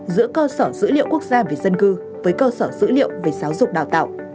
giữa cơ sở dữ liệu quốc gia về dân cư với cơ sở dữ liệu về giáo dục đào tạo